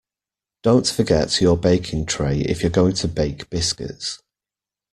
Don't forget your baking tray if you're going to bake biscuits